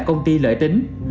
công ty lợi tính